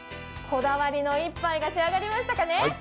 こだわりの一杯が仕上がりましたかね。